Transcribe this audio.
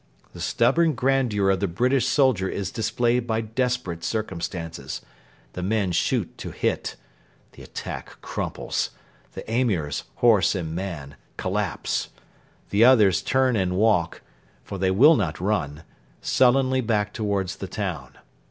The stubborn grandeur of the British soldier is displayed by desperate circumstances. The men shoot to hit. The attack crumples. The Emirs horse and man collapse. The others turn and walk for they will not run sullenly back towards the town.